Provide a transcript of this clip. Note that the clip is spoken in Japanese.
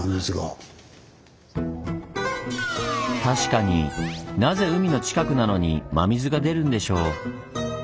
確かになぜ海の近くなのに真水が出るんでしょう？